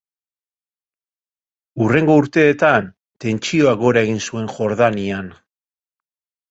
Hurrengo urteetan tentsioak gora egin zuen Jordanian.